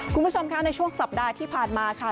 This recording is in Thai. คุณผู้ชมค่ะในช่วงสัปดาห์ที่ผ่านมาค่ะ